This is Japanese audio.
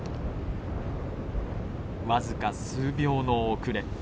僅か数秒の遅れ。